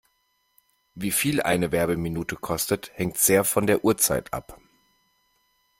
Wie viel eine Werbeminute kostet, hängt sehr von der Uhrzeit ab.